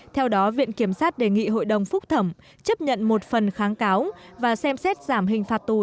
theo đó viện kiểm sát đề nghị hội đồng phúc thẩm chấp nhận một phần kháng cáo và xem xét giảm hình phạt tù